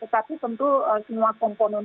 tapi tentu semua komponen